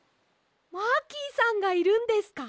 マーキーさんがいるんですか？